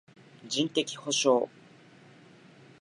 人的補償